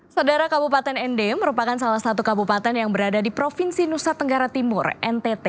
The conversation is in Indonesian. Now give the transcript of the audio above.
saudara kabupaten nd merupakan salah satu kabupaten yang berada di provinsi nusa tenggara timur ntt